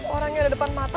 orang yang ada depan mata